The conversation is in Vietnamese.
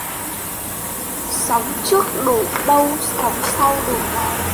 Sóng trước đổ đâu, sóng sau đổ đó.